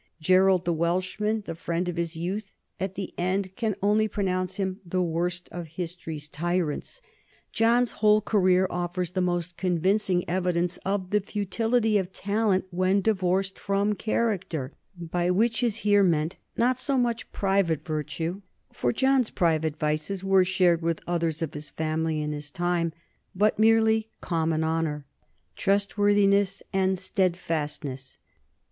Ger NORMANDY AND FRANCE 123 aid the Welshman, the friend of his youth, at the end can only pronounce him the worst of history's tyrants. John's whole career offers the most convincing evidence of the futility of talent when divorced from character, by which is here meant, not so much private virtue, for John's private vices were shared with others of his family and his time, but merely common honor, trustworthiness, and steadfastness.